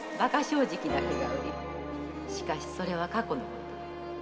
〔しかしそれは過去のこと〕